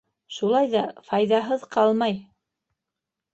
Шулай ҙа файҙаһыҙ ҡалмай.